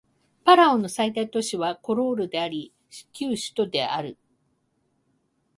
パラオの最大都市はコロールであり旧首都でもある